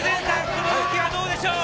この動きはどうでしょう。